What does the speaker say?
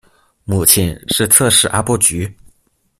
母亲是侧室阿波局。